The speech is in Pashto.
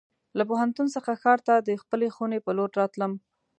له پوهنتون څخه ښار ته د خپلې خونې په لور راتلم.